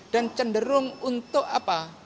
dan cenderung untuk apa